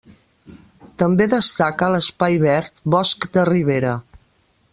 També destaca l'espai verd Bosc de ribera.